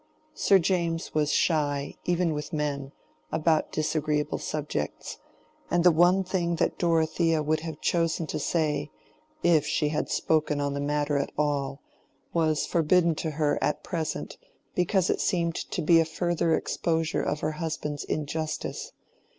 Sir James was shy, even with men, about disagreeable subjects; and the one thing that Dorothea would have chosen to say, if she had spoken on the matter at all, was forbidden to her at present because it seemed to be a further exposure of her husband's injustice.